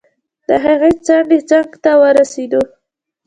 د هغې چنډې څنګ ته ورسیدو.